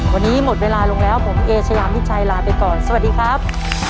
วันนี้หมดเวลาลงแล้วผมเอเชยามิชัยลาไปก่อนสวัสดีครับ